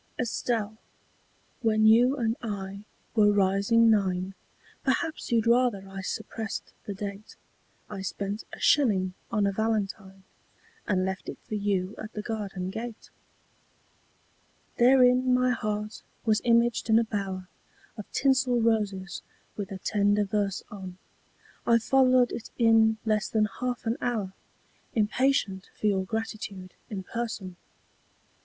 ] ESTELLE, when you and I were rising nine Perhaps you'd rather I suppressed the date I spent a shilling on a valentine And left it for you at the garden gate. Therein my heart was imaged in a bower Of tinsel roses, with a tender verse on ; I followed it in less than half an hour Impatient for your gratitude in person.